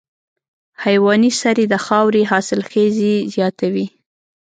حیواني سرې د خاورې حاصلخېزي زیاتوي.